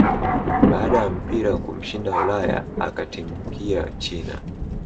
baada ya mpira kumshinda Ulaya akatimkia china